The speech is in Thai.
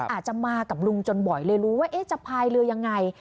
อาจจะมากับลุงจนบ่อยเลยรู้ว่าจะพายเรือยังไง